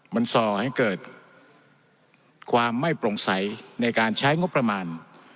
มันส่อให้เกิดความไม่โปร่งใสในการใช้งบประมาณ